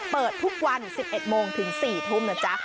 เปิดทุกวัน๑๑โมงถึง๔ทุ่มนะจ๊ะ